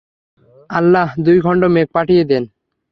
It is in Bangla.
আল্লাহ দুই খণ্ড মেঘ পাঠিয়ে দেন।